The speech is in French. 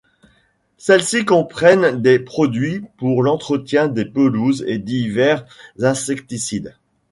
Celles-ci comprennent des produits pour l'entretien des pelouses et divers insecticides.